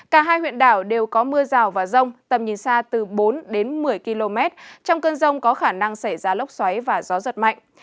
cả hai huyện đảo đều có mưa rào và rông tầm nhìn xa từ bốn đến một mươi km trong cơn rông có khả năng xảy ra lốc xoáy và gió giật mạnh